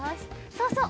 そうそう。